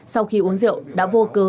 sau khi uống rượu đã vô cớ